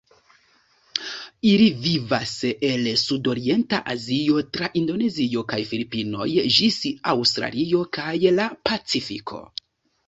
Ili vivas el Sudorienta Azio tra Indonezio kaj Filipinoj ĝis Aŭstralio kaj la Pacifiko.